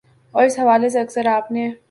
اور اس حوالے سے اکثر آپ نے